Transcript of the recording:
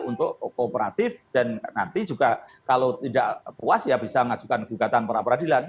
untuk kooperatif dan nanti juga kalau tidak puas ya bisa mengajukan gugatan peradilan